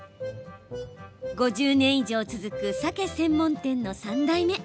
５０年以上続くサケ専門店の３代目。